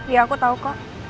iya aku tahu ko